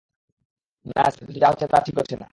না স্যার কিন্ত যা হচ্ছে তা ঠিক হচ্ছে না।